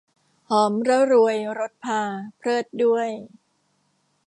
หอมระรวยรสพา เพริศด้วย